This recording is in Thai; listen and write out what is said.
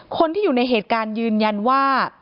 คนที่อยู่ในเหตุการณ์ยืนยันว่า